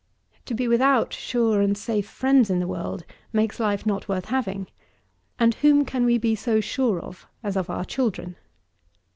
To be without sure and safe friends in the world makes life not worth having; and whom can we be so sure of as of our children?